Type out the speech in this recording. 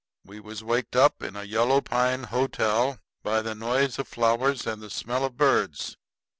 We was waked up in a yellow pine hotel by the noise of flowers and the smell of birds.